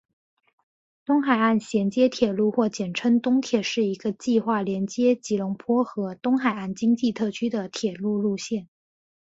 东海岸衔接铁道或简称东铁是一个计划连接吉隆坡和东海岸经济特区的铁路路线。